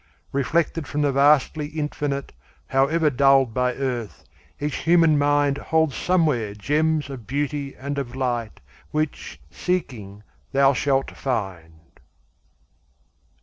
Reflected from the vastly Infinite, However dulled by earth, each human mind Holds somewhere gems of beauty and of light Which, seeking, thou shalt find.